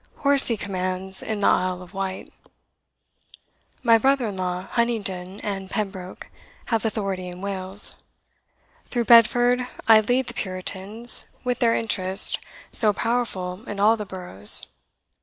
Horsey commands in the Isle of Wight. My brother in law, Huntingdon, and Pembroke, have authority in Wales. Through Bedford I lead the Puritans, with their interest, so powerful in all the boroughs.